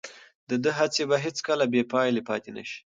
د ده هڅې به هیڅکله بې پایلې پاتې نه شي.